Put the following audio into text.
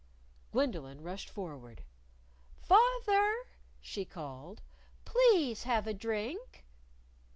Gwendolyn ran forward. "Fath er!" she called; "please have a drink!"